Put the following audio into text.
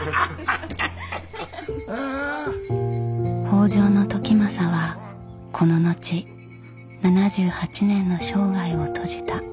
北条時政はこの後７８年の生涯を閉じた。